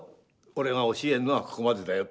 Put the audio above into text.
「俺が教えるのはここまでだよ」